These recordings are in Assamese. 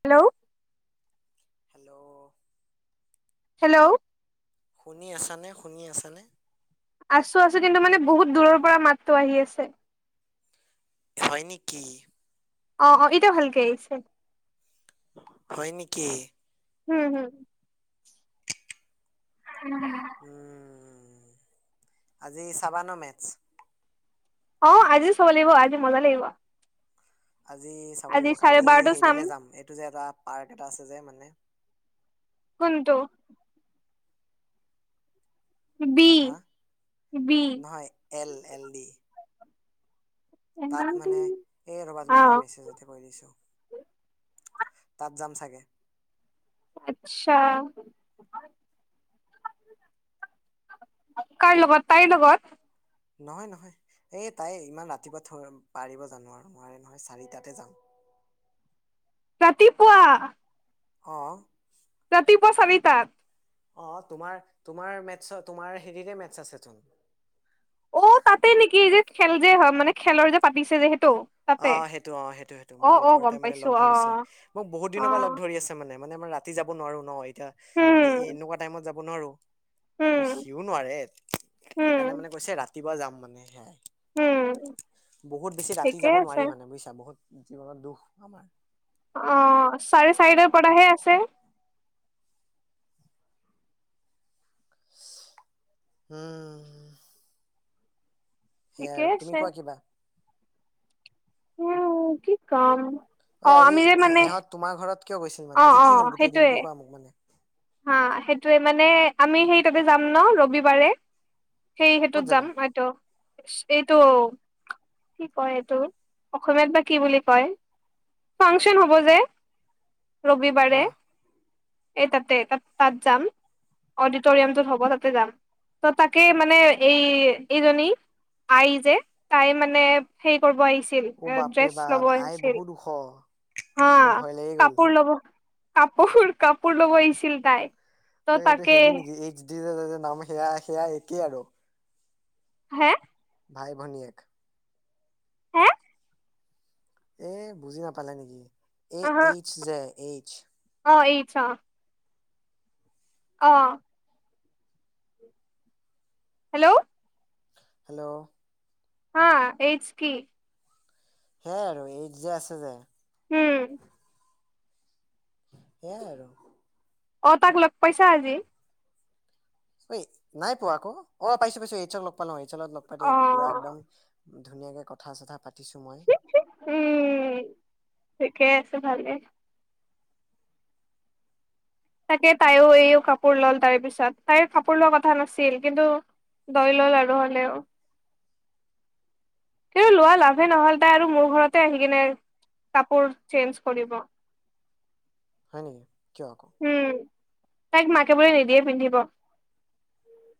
হেল্ল'। হেল্ল'? হেল্ল'? শুনি আছানে শুনি আছানে? আছো আছো, কিন্তু মানে বহুত দূৰৰ পৰা মাতটো আহি আছে। হয় নেকি। অ' অ' এতিয়াও ভালকে আহিছে। হয় নেকি। উম-হম। উম, আজি চাবা ন মেথচ্। অ, আজি চাব লাগিব, আজি মজা লাগিব। আজি চাব আজি লাগিব, চাৰে কালি বাৰটো চাম হেৰিলে যাম, এইটো যে এটা পাৰ্ট এটা আছে যে মানে। কোনটো? B, B. N, N, D. তাত মানে, এই ৰ'বা অ মই মেছেজতে কৈ দিছো। তাত যাম চাগে। আচ্ছা। কাৰ লগত, তাইৰ লগত? নহয়, নহয়, এই তাই ইমান ৰাতিপুৱা থ পাৰিব জানো আৰু নোৱাৰে নহয়, চাৰিটাতে যাম। ৰাতিপুৱা অঁ। ৰাতিপুৱা চবিতা অ, তোমাৰ, তোমাৰ মেথছ তোমাৰ হেৰিৰে মেথছ আছেচোন। অ, তাতে নেকি? এই যে খেল যে হয় মানে খেলৰ যে পাতিছে যে সেইটো? অ তাতে সেইটো, অ সেইটো-সেইটো, অ মোক অ লগৰ গম তাই মানে পাইছো লগ অ ধৰিছে, মোক বহুত অ দিনৰ পৰা লগ ধৰি আছে মানে মানে আ ৰা ৰাতি যাব নোৱাৰো ন এতিয়া, মানে এ উম এনেকুৱা টাইমত যাব নোৱাৰো। উম সিও নোৱাৰে, সেইকাৰণে উম মানে কৈছে ৰাতিপুৱা যাম মানে সেয়াই। উম বহুত বেছি ৰাতি ঠিকে যাব আছে নোৱাৰি মানে বুজিছা, বহুত জীৱনত দুখ আমাৰ। অ', চাৰে চাৰিটাৰ পৰাহে আছে। উম। সেয়া ঠিকে আৰু তুমি আছে কোৱা কিবা। উ, কি কম। অ অঐ আজি আমি যে এ মানে ইহঁত তোমাৰ ঘৰত কিয় গৈছিল অ মানে, আজি অ কি হ'ল গোটেই সেইটোয়ে দিনটো কোৱা মোক মানে। হা সেইটোৱে মানে আমি সেই তাতে যাম ন ৰবিবাৰে। সেই ক'ত সিটোত যাম যাবা এইটো, এইটো। কি কয় এইটো, অসমীয়াত বা কি বুলি কয়। ফাংচন হ'ব যে, অ ৰবিবাৰে, এই তাতে। তাত, তাত যাম। অডিটৰিয়ামটোত হ'ব তাতে যাম, ত' তাকে মানে এই এইজনী। আই যে তাই মানে হেৰি কৰিব আহি চিল, অ এ বাপৰে ড্ৰেছ ল'ব বাপ আই আহিছিল, বহুত ওখ হা মোৰ ভয় লাগি গ'ল কাপোৰ ল'ব কাপোৰ, কাপোৰ ল'ব আহিছিল তাই। ত এইটো তাকে হেৰি নিকি এইচ ডি নাম সেয়া সেয়া একেই আৰু। হা? ভাই ভনীয়েক। হে এ, বুজি নাপালা নেকি এ আহ এইচ যে এইচ। চাও। অ', হেল্ল' হেল্ল' হা এইডছ কি। সেইয়ে আৰু এইডছ যে আছে যে। হম সেইয়ে আৰু। অ তাক লগ পাইছা আজি? অই, নাই পোৱা আকৌ, অ পাইছো-পাইছো, এইডছক লগ পালো, এইডছত লগ পাতে অ পুৰা একদম ধুনীয়াকৈ কথা-চথা পাতিছোঁ মই। কে আছে ভালে। তাকে তাইও এইয়ও কাপোৰ লল তাৰ পিছত তাইৰ কাপোৰ লোৱা কথা নাছিল কিন্তু লৈ লল আৰু হলেও। কিন্তু লোৱা লাভে নহল তাই আৰু মোৰ ঘৰতে আহি কিনে কাপোৰ চেঞ্জ কৰিব হয় নেকি কিয় আকৌ? উম তাইক মাকে বোলে নিদিয়ে পিন্ধিব।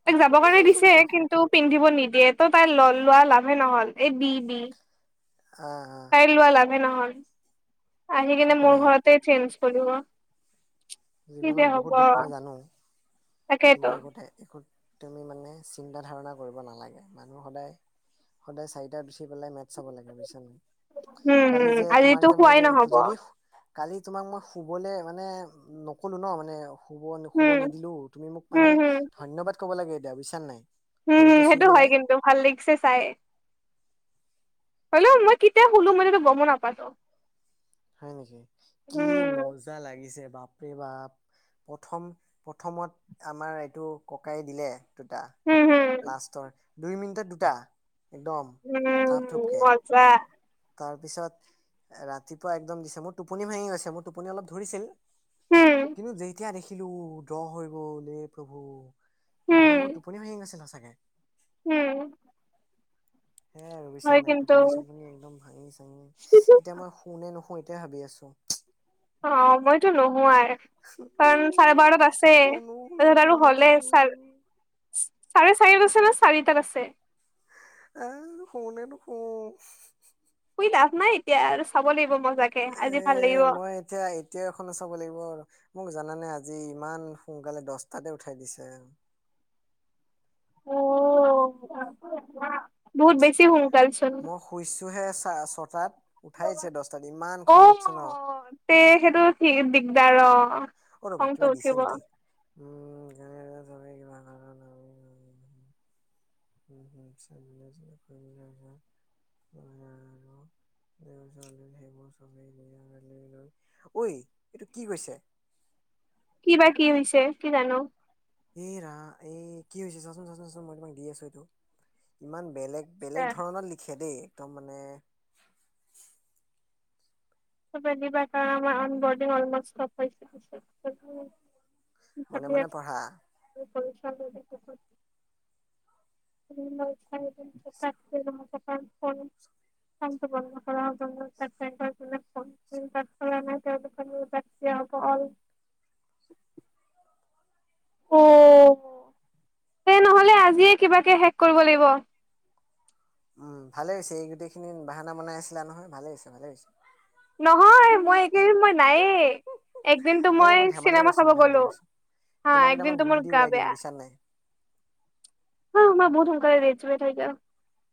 তাক যাবৰ কাৰণে দিছে কিন্তু পিন্ধিব নিদিয়ে ত', টাই ল লোৱা লাভে নহল এই বি বি। অ', অ', তাইৰ লোৱা লাভে নহল আহি কিনে মোৰ নাই ঘৰতে চেঞ্জ কৰিব। কি যে জীৱনত হব বহুত দুখ মই জানো তাকেইতো কিন্তু একোতে একো তুমি মানে চিন্তা ধাৰণা কৰিব নালাগে মানুহ সদায় সদায় চাৰিটাত উঠি পেলাই মেচ্ চাব লাগে বুজিছা নাই? উম, কালি হুম, যে তোমাক আজিতো যে মই শোৱায়ে যে নহ'ব। যদি কালি তোমাক মই শোবলে মানে নক'লো ন' মানে শোব শোব উম নিদিলো। তুমি মোক মানে হম হম ধন্যবাদ ক'ব লাগে এতিয়া বুজিছা নাই। উম, হুম, ভৰিটো চুই সেইটো হয় পেলাই কিন্তু ভাল লাগিছে চাই। শোলো মই কেতিয়া শোলো মানে গমও নাপালো। হয় নেকি কি উম মজা লাগিছে? বাপৰে বাপ প্ৰথম প্ৰথমত আমাৰ এইটো ককায়ে দিলে। দুটা হম হম লাষ্টৰ দুই মিনিটত দুটা। একদম উম, থাপ থুপকে মজা। তাৰপিছত ৰাতিপুৱা একদম দিছে মোৰ টোপনি ভাঙি গৈছে মোৰ টোপনি অলপ ধৰিছিল। হম কিন্তু যেতিয়া দেখিলো ড্ৰ' হৈ গল সে প্ৰভু। মই মোৰ টোপনি ভাঙি গৈছিল সচাকে। উম, হে ৰবিচান নাই টোপনি-চপনি একদম ভাঙি-চাঙি এতিয়া মই শোনে নুশো সেইটোৱে ভাবি আছো। অ', মইতো নোহো আৰ শুনো কাৰণ চাৰে বাৰত আছে শুও নে তাৰপিছত আৰু শুনে হলে নুশু চাৰে চাৰে [unintelligible] কৈছে ন চাৰিটাত আছে? আ, শোনে নোশো শুই লাভ নাই এতিয়া আৰু চাব লাগিব মই। এ মই এতিয়া এতিয়া এখনো চাব লাগিব আৰু মোক জানানে আজি ইমান সোনকালে দশটাতে উঠাই দিছে। অ', বহুত বেছি হু। মই শুইছোহে চা-ছটাত। অ-তে সেইটো ঠিক দিগদাৰ অ। অ ৰ'বা খংটো কিবা দিছে উঠিব নেকি? উম [unintelligible] [inaudible] [unintelligible] ঐ এইটো কি কৈছে? কি বা কি হৈছে কি জানো। এ ৰা এই কি হৈছে চাচোন-চাচোন-চাচোন মই তোমাক দি আছো এইটো ইমান বেলেগ বেলেগ ধৰণত লিখে দেই একদম মানে। [unintelligible] চবে মনে মনে আছে পঢ়া [unintelligible] ফোন [unintelligible] ফটো বন্ধ কৰা হব। [unintelligible] অ তে নহলে আজিয়ে কিবাকে শেষ কৰিব লাগিব। উ ভালে হৈছে এই গোটেইখিনি বাহানা বনাই আছিলা নহয় ভালেই হৈছে ভালেই হৈছে। নহয় মই এইকেইদিন মই নায়ে। একদিনতো এই মই ধেমালি চিনেমা কৰিছো চাব মই ধেমালি গলো। কৰিছো হা তোমাক এতিয়া মই একদিনতো মোৰ গুলি দি গা উৰোৱাই দিম বেয়া। বুজিচা নে নাই? [unintelligible]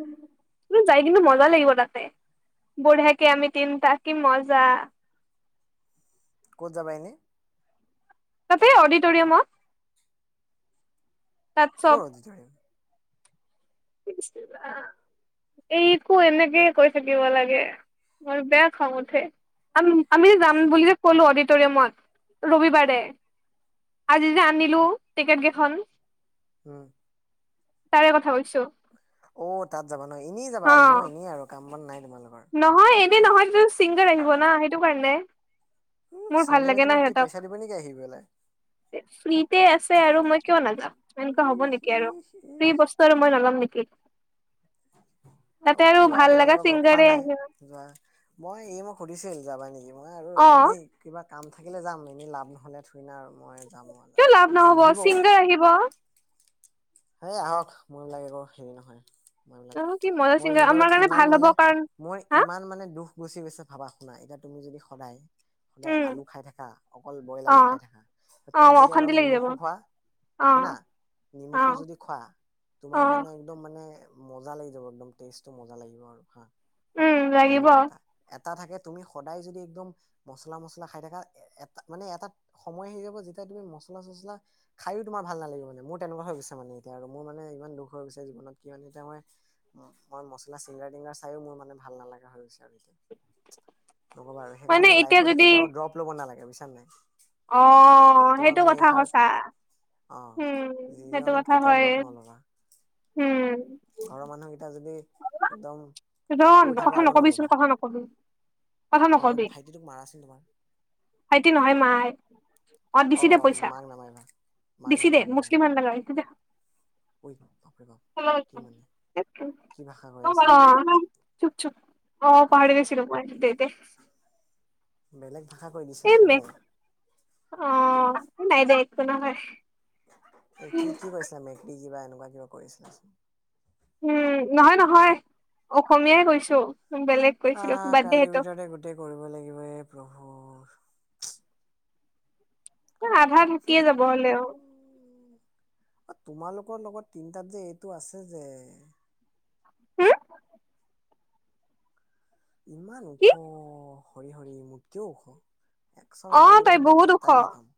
উম কিন্তু যাই কিন্তু মজা লাগিব তাতে বঢ়িয়াকে আমি তিনটা কি মজা। ক'ত যাবা এনেই? তাতে অডিটৰিয়ামত। তাত কৰ অডিটৰিয়াম? এইকো এনেকে কৈ থাকিব লাগে। মোৰ বেয়া খং উঠে। আম-আমি যাম বুলি যে কলো অডিটৰিয়ামত ৰবিবাৰে। - আজি যে আনিলো টিকেট কেইখন। উম - তাৰে কথা কৈছো। অ তাত যাবা ন এনেই যাবা অ আৰু ন এনেই আৰু কাম বন নাই। তোমালোকৰ নহয় এনে নহয় যে চিংগাৰ আহিব না সেইটো কাৰণে। উম মোৰ ভাল ছিংগাৰে লাগে না তোমাক কি সিহঁতক পইচা দিব নেকি আহি পেলাই? ফ্ৰীতে আছে আৰু মই কিয় নাযাম। এনেকুৱা ইহ হ'ব নেকি আৰু ইহ ফ্ৰী ইহ বস্তু আৰু মই নাজাম নেকি তাতে হ'ব আৰু যোৱা ভাল লাগা তোমালোকক ৰখোৱা চিংগাৰে নাই আহে যোৱা মই এই মোক সুধিছিল যাবা নেকি মই আৰু অ এনেই কিবা কাম থাকিলে যাম এনেই লাভ নহ'লে থুই না আৰু মই যাম আৰু যাব কিয় লাভ মানে নহব নিদিবও ছিংগাৰ আহিব হে আহক মন লাগে আকৌ হেৰি নহয় অ কি মজা মোৰ ছিংগাৰ আমাৰ জীৱনত কাৰণে ইমান ভাল হ'ব মানে কাৰণ মোৰ হা ইমান মানে দুখ গুচি গৈছে ভাবা শুনা এতিয়া তুমি যদি সদায় সদায় উম আলু খাই থাকা অকল বইল অ আলু খাই থাকা অ তুমি যদি অশান্তি অলপ লাগি যাব নিমখো খোৱা অ শুনা অ নিমখো যদি খোৱা অ তোমাৰ মানে একদম মানে মজা লাগি যাব একদম টেষ্টি মজা লাগিব আৰু হা উম লাগিব তেনেকুৱা এটা এটা থাকে তুমি সদায় যদি একদম মচলা মচলা খাই থাকা এটা মানে এটা সময় আহি যাব যেতিয়া তুমি মচল চছলা খাইও তোমাৰ ভাল নালাগিব মানে মোৰ তেনেকুৱা হৈ গৈছে মানে এতিয়া মোৰ মানে ই দুখ হৈ গৈছে জীৱন কি এতি ম মই মছলা চিংগাৰ টিংগাৰ চাইও মোৰ মানে মানে সেইকাৰণে এতিয়া লাইফত যদি কেতিয়াও ড্ৰপ লব নালাগে। এক বুজিছানে নাই অ' সেইটো কথা সচাঁ। আহ জীৱনত কেতিয়াও দ্ৰৱ নলবা। উম ঘৰৰ মানুহকেইটা যদি একদম ৰন অসুৰ থাকে কথা আৰু নকবিচোন নলবা। কথা নকবি কথা অ' এই নকবি ভাইটি তোক মাৰাচোন তোমাৰ। ভাইটি নহয় মায় অ দিছি দে পইচা দিছি দে মুছলিম লগাইছে দে াপ াপ কি মানে কি কৈ আছা এইটো অ চুপ চুপ অ পাহৰি গৈছিলো পাই দেতে কথা কৈ দিছাচোন ঔ। অ' নাই দে একো নহয়। কি কি কৰিছিলা মেকী কিবা এনেকুৱা কিবা কৰিছিলা। উম নহয় নহয় অসমীয়াই কৈছো। বেলেগ কৈছিলো আহ বাদ দে কালিৰ সেইটো ভিতৰতে গোটেই কৰিব লাগিব এ প্ৰভুৰ। আধা থাকিয়ে যাব হ'লে আৰু। অ তোমালোকৰ লগত তিনটাত যে এইটো আছে যে হম ইমান ওখ, কি হৰি হৰি মোতকেও ওখ। একচৰ মাৰি অ' দিব তাই মই বহুত ওখ পাত্তাই নাপাম।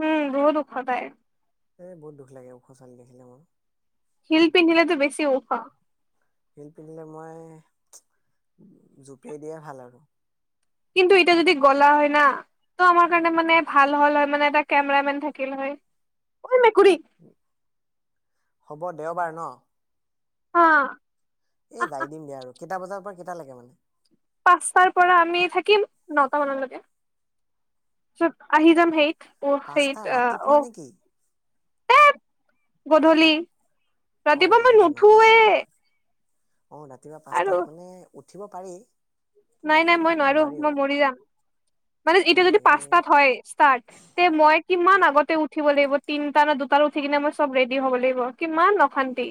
উম বহুত দুখদায়। এই বহুত দুখ লাগে ওখ ছোৱলী দেখিলে মোৰ। হিলপিন্ধিলেতো বেছি ওখ হিলপিন্ধিলে মই জোপিয়াই দিয়াই ভাল আৰু। কিন্তু এতিয়া যদি গ'লা হয় না টো আমাৰ কাৰণে মানে ভাল হ'ল হয় মানে এটা কেমেৰা মেন থাকিল হয়। এই মেকুৰী। হ'ব, দেওবাৰ ন অ' এ যাই দিম দিয়া আৰু, কেইটা বজাৰ পৰা কেইটালৈকে মানে। পাঁচটাৰ পৰা আমি থাকিম নটা মানলৈকে, পাছত আহি যাম সেইত অ পাঁচটা সেইত ৰাতিপুৱা অ নেকি গধূলি অ ৰাতিপুৱা মই নুঠোৱে। অঁ ৰাতিপুৱা আৰু পাঁচটাত মানে উঠিব পাৰি। কিন্তু নাই নাই মই নোৱাৰো, নোৱাৰিও মই মৰি যাম। মান হয় এতিয়া নেকি এ, [inaudible] অ উিব লাগিব তিনটা ন দুটাৰ উঠি কিনে মই চব ৰেডি হ'ব লাগিব, কিমান অশান্তি।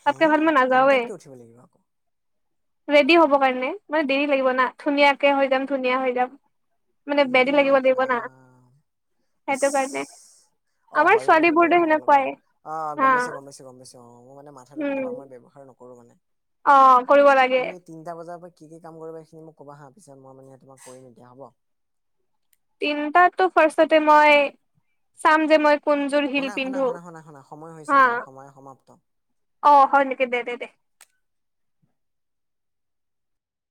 হে তাতকে ভাল মই নাযাওৱে তিনটাত কিয় উঠিব লাগিব আকৌ। ৰেডি হ'ব কাৰণে মানে দেৰি লাগিব না, ধুনীয়াকে হৈ যাম ধুনীয়া হৈ যাম। মানে [unintelligible] লাগিব ই লাগিব না ৰাম ইচ সেইটো কাৰণে অ' আমাৰ হয়ো কিন্তু দেই, ছোৱালীবোৰতো তোমালোকৰ সেনেকুৱাই আহ হা গম পাইছ গম পাইছ গম পাইছো অ মোৰ মানে মাথাটো উম কেতিয়া মই ব্যৱহাৰ নকৰো মানে। অ কৰিব লাগে। তুমি তিনটা বজাৰ পৰা কি কাম কৰিব এইখিনি মোক ক'বা, পিছে মই মানে তোমাক কৰিম এতিয়া হ'ব। তিনিটাতো ৰ্ফাষ্টতে মই চাম যে মই কোনযোৰ শিল শুনা শুনা পিন্ধো শুনা শুনা শুনা সময় হৈছে মোৰ সময় সমাপ্ত। আহ হয় নেকি দে দে দে।